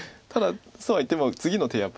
ただそうはいっても次の手